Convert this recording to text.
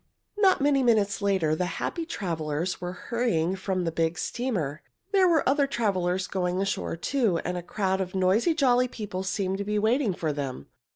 Not many minutes later the happy travelers were hurrying from the big steamer. There were other travelers going ashore, too, and a crowd of noisy, jolly people seemed to be waiting for them.